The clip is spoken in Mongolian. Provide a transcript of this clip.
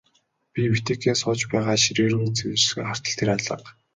Би Витекийн сууж байгаа ширээ рүү зэрвэсхэн хартал тэр алга.